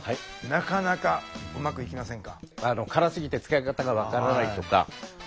なかなかうまくいきませんか？